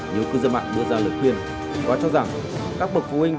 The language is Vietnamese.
nhiều cư dân mạng đưa ra lời khuyên và cho rằng các bậc phụ huynh